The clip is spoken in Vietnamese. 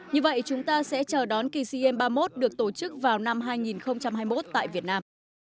như vậy chúng ta sẽ chờ đón kỳ sea games ba mươi một được tổ chức vào năm hai nghìn hai mươi một tại việt nam